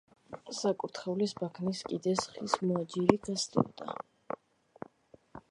საკურთხევლის ბაქნის კიდეს ხის მოაჯირი გასდევდა.